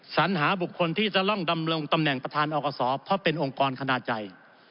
สัญหาบุคคลที่จะต้องดำรงตำแหน่งประธานอกศเพราะเป็นองค์กรขนาดใหญ่